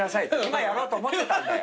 「今やろうと思ってたんだよ」